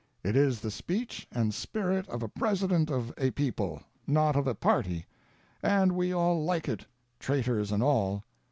It is the speech and spirit of a President of a people, not of a party, and we all like it, Traitors and all.